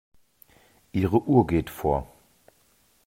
Ihre Uhr geht vor.